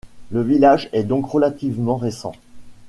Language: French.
Le village est donc relativement récent.